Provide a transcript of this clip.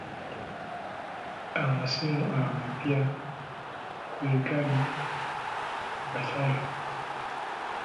Amasimu amapya kwe gali ku katale.